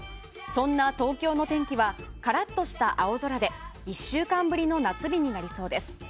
そんな東京の天気はカラッとした青空で１週間ぶりの夏日になりそうです。